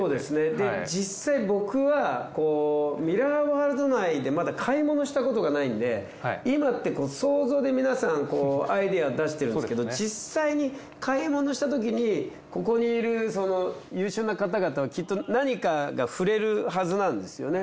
で実際僕はミラーワールド内でまだ買い物したことがないんで今って想像で皆さんアイデア出してるんですけど実際に買い物したときにここにいる優秀な方々はきっと何かがふれるはずなんですよね。